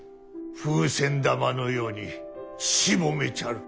風船玉のようにしぼめちゃる。